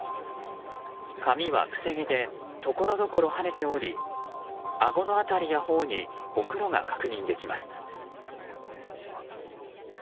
髪はくせ毛でところどころはねておりあごの辺りや頬にほくろが確認できます。